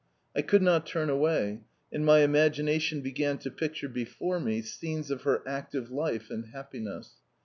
I could not turn away, and my imagination began to picture before me scenes of her active life and happiness.